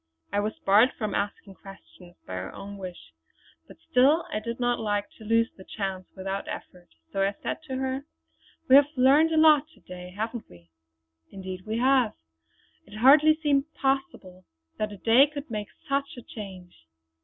I was barred from asking questions by her own wish; but still I did not like to lose the chance without an effort, so I said to her: "We have learned a lot to day, haven't we?" "Indeed we have. It hardly seems possible that a day could make such a change!"